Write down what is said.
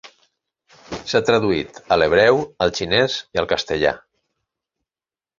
S'ha traduït a l'hebreu, el xinès, i al castellà.